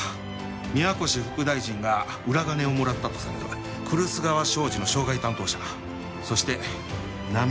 宮越副大臣が裏金をもらったとされる来栖川商事の渉外担当者そして波島